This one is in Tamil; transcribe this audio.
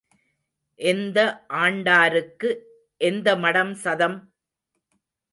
எந்த ஆண்டாருக்கு எந்த மடம் சதம்?